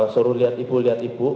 suruh lihat ibu lihat ibu